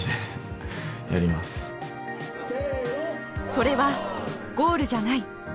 それはゴールじゃない。